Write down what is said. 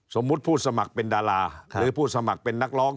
ผู้สมัครเป็นดาราหรือผู้สมัครเป็นนักร้อง